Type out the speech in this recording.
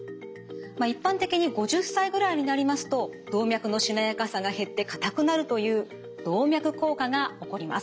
一般的に５０歳ぐらいになりますと動脈のしなやかさが減って硬くなるという動脈硬化が起こります。